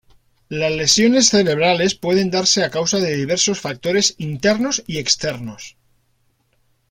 Las lesiones cerebrales pueden darse a causa de diversos factores internos y externos.